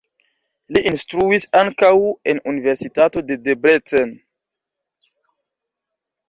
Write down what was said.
Li instruis ankaŭ en Universitato de Debrecen.